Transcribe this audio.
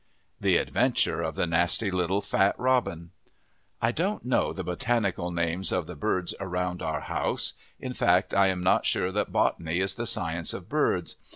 The Adventure of the Nasty Little Fat Robin: I don't know the botanical names of the birds around our house; in fact, I am not sure that botany is the science of birds.